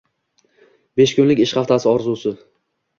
Besh kunlik ish haftasi orzusi